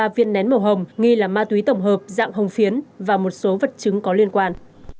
ba chín trăm bảy mươi ba viên nén màu hồng nghi là ma túy tổng hợp dạng hồng phiến và một số vật chứng có liên quan